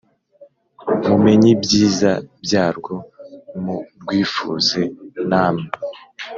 mumeny' ibyiza byarwo, murwifuze namwe